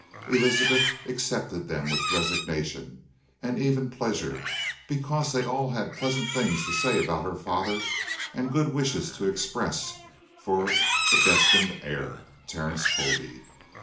Elizabeth accepted them with resignation, and even pleasure, because they all had pleasant things to say about her father and good wishes to express for the destined heir, Terence Colby.